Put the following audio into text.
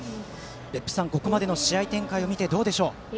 ここまでの試合展開を見てどうでしょうか。